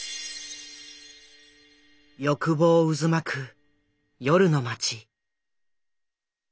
欲望渦巻く夜の街。